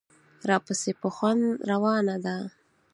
راپسې په خوند روانه ده.